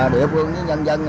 địa phương với nhân dân